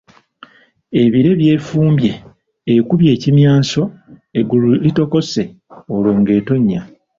"Ebire byefumbye, ekubye n’ekimyanso, eggulu litokose, olwo ng’etonnya."